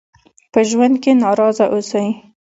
په ژوند کې ناراضه اوسئ.